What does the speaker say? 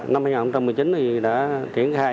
năm hai nghìn một mươi chín thì đã triển khai